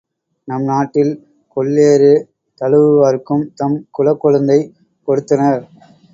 நம் நாட்டில் கொல்லேறு தழுவுவார்க்குத் தம் குலக்கொழுந்தைக் கொடுத்தனர்.